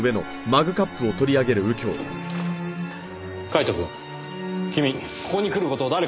カイトくん君ここに来る事を誰かに話しましたか？